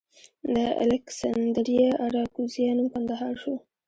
د الکسندریه اراکوزیا نوم کندهار شو